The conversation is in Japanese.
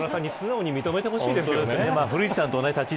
大空さんに素直に認めてほしいですね。